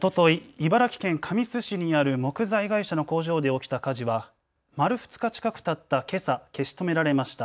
茨城県神栖市にある木材会社の工場で起きた火事は丸２日近くたったけさ消し止められました。